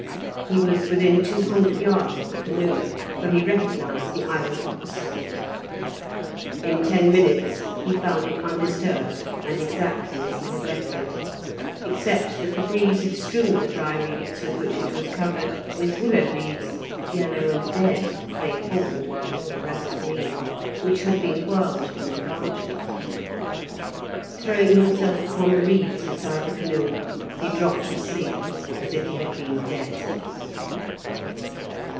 He was within two hundred yards of the canoe, for he recognised the island opposite it. In ten minutes he found it undisturbed and exactly as he had left it, except that the breeze had strewn the dry reeds with which it was covered with willow leaves, yellow and dead (they fall while all the rest are green), which had been whirled from the branches. Throwing himself upon the reeds beside the canoe, he dropped asleep as if he had been dead.